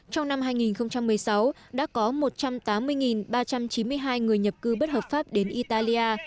trong năm hai nghìn một mươi sáu đã có một trăm tám mươi ba trăm chín mươi hai người nhập cư bất hợp pháp đến italia